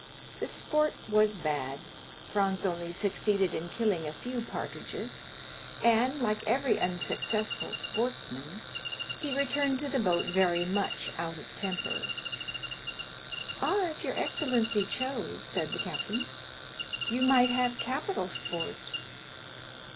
The sport was bad; Franz only succeeded in killing a few partridges, and, like every unsuccessful sportsman, he returned to the boat very much out of temper. "Ah, if your excellency chose," said the captain, "you might have capital sport."